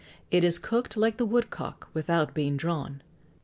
It is cooked like the woodcock, without being drawn."